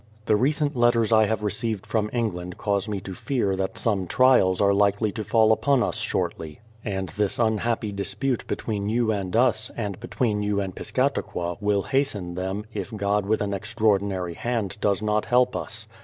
The recent letters I have received from England cause me to fear* that some trials are likely to fall upon us shortly, and this unhappy dispute between you and us, and between you and Piscataqua, will hasten them, if God with an extraordinary hand does not help us.